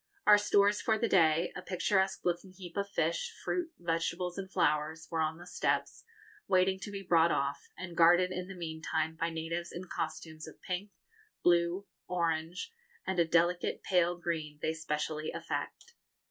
Our stores for the day, a picturesque looking heap of fish, fruit, vegetables, and flowers, were on the steps, waiting to be brought off, and guarded in the meantime by natives in costumes of pink, blue, orange, and a delicate pale green they specially affect.